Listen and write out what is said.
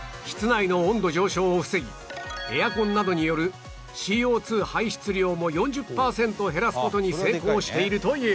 エアコンなどによる ＣＯ２ 排出量も４０パーセント減らす事に成功しているという